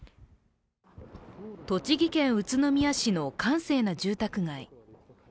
栃木県宇都宮市の閑静な住宅街。